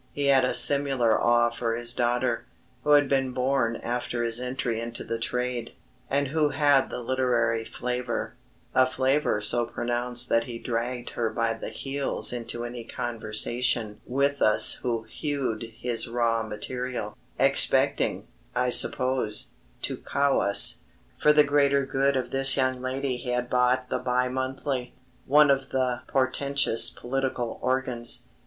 He had a similar awe for his daughter, who had been born after his entry into the trade, and who had the literary flavour a flavour so pronounced that he dragged her by the heels into any conversation with us who hewed his raw material, expecting, I suppose, to cow us. For the greater good of this young lady he had bought the Bi Monthly one of the portentous political organs.